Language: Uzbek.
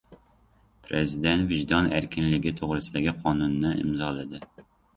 Prezident vijdon erkinligi to‘g‘risidagi qonunni imzoladi